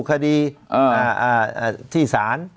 คดีที่สาร